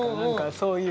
そういう。